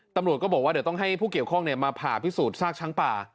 ตำรวจก็บอกว่าเดี๋ยวต้องให้ผู้เกี่ยวข้องมาผ่าพิสูจน์ซากช้างป่า